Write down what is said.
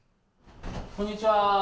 こんにちは。